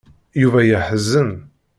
Yuba yeḥzen.